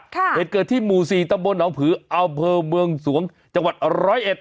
เหตุเกิดที่หมู่สี่ตำบลหนองผืออำเภอเมืองสวงจังหวัดร้อยเอ็ด